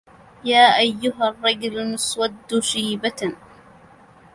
يا أيها الرجل المسود شيبه